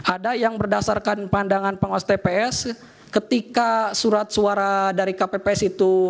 ada yang berdasarkan pandangan pengawas tps ketika surat suara dari kpps itu